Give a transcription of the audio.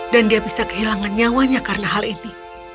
dan dia bisa kehilangan nyawanya karena hal ini